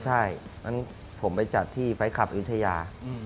ใช่ฉะนั้นผมไปจัดที่ไฟล์ทคลับอินทยา